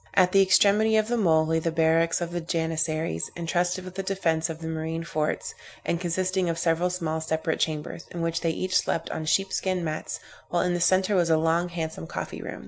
At the extremity of the mole, lay the barracks of the Janissaries, entrusted with the defence of the marine forts, and consisting of several small separate chambers, in which they each slept on sheepskin mats, while in the centre was a handsome coffee room.